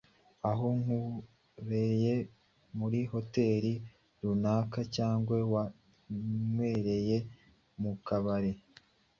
Aho nk’uraye muri hoteli runaka cyangwa wanywereye mu kabari